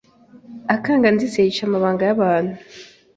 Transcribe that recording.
akaga ndetse kica amabanga yabantu